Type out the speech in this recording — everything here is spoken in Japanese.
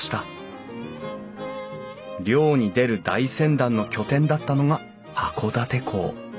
漁に出る大船団の拠点だったのが函館港。